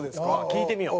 聞いてみよう。